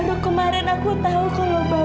baru kemarin aku tau kalau bapamu